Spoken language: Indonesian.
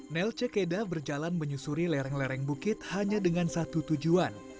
nelce keda berjalan menyusuri lereng lereng bukit hanya dengan satu tujuan